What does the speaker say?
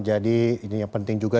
jadi ini yang penting juga